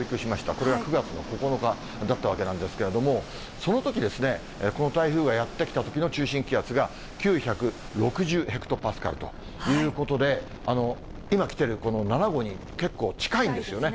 これは９月の９日だったわけなんですけれども、そのときですね、この台風がやって来たときの中心気圧が９６０ヘクトパスカルということで、今来ているこの７号に結構近いんですよね。